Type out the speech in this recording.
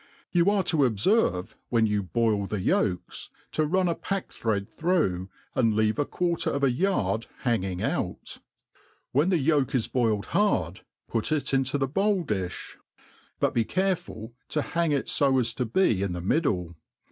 You are to obferve, when you boil the yolks, to run a packthread through, and leave a quarter of a yard hanging out. When the yolk is boiled hard, put it*^int6 the bowl difli \ but be care ful to hang it fo as to be in the middle.